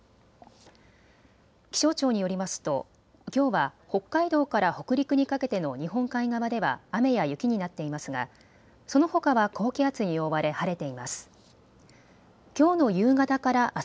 気象庁によりますときょうは北海道から北陸にかけての日本海側では雨や雪になっていますがそのほかは高気圧に覆われ晴れています。